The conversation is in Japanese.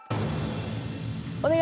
お願い。